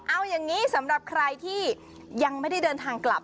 เอาอย่างนี้สำหรับใครที่ยังไม่ได้เดินทางกลับ